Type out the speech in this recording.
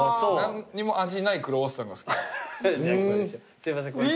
何にも味ないクロワッサンが好きなんです。